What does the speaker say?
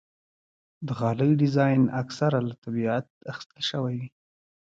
د غالۍ ډیزاین اکثره له طبیعت اخیستل شوی وي.